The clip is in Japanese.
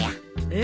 え？